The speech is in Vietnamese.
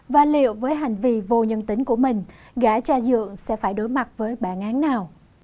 và liệu với hành vi vô nhân tính của mình gã cha dượng sẽ phải đối mặt với bản án nào